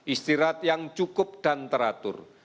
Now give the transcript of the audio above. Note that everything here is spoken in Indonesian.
istirahat yang cukup dan teratur